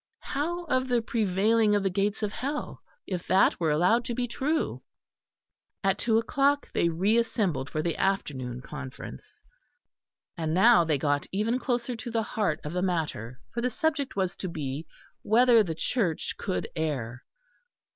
How of the prevailing of the gates of hell, if that were allowed to be true? At two o'clock they reassembled for the afternoon conference; and now they got even closer to the heart of the matter, for the subject was to be, whether the Church could err?